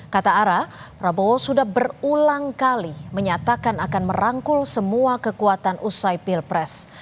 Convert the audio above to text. kata ara prabowo sudah berulang kali menyatakan akan merangkul semua kekuatan usai pilpres